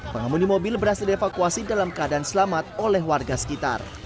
pengemudi mobil berhasil dievakuasi dalam keadaan selamat oleh warga sekitar